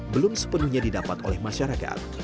belum sepenuhnya didapat oleh masyarakat